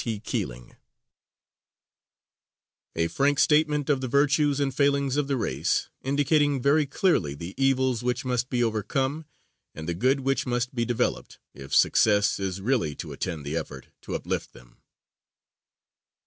T. KEALING A frank statement of the virtues and failings of the race, indicating very clearly the evils which must be overcome, and the good which must be developed, if success is really to attend the effort to uplift them.